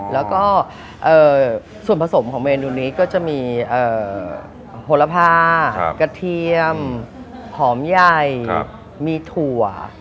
แล้วก็ส่วนผสมของเมนูนี้ก็จะมีโหลพากระเทียมหอมใหญ่มีถั่ว